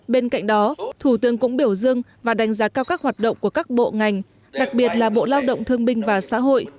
bên cạnh đó thủ tướng cũng biểu dương và đánh giá cao các hoạt động của các bộ ngành đặc biệt là bộ lao động thương binh và xã hội